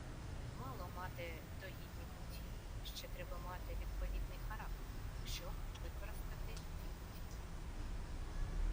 Мало мати догідні путі, ще треба мати відповідний характер, щоб використати ті путі.